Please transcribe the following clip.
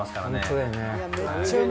そうだね。